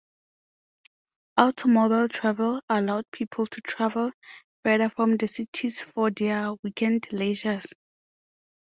Automobile travel allowed people to travel further from the cities for their weekend leisure.